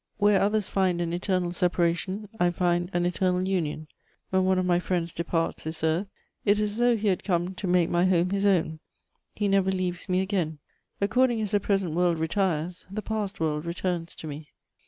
Where others find an eternal separation, I find an eternal union; when one of my friends departs this earth, it is as though he had come to make my home his own; he never leaves me again. According as the present world retires, the past world returns to me.